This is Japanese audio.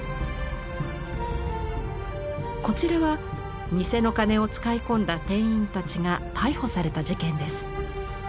こちらは店の金を使い込んだ店員たちが逮捕された事件です。